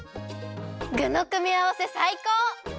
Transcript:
ぐのくみあわせさいこう！